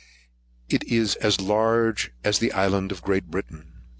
It is as large as the island of Great Britain.